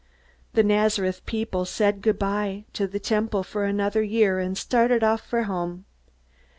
The Nazareth people said good by to the Temple for another year, and started off for home.